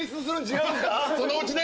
そのうちね！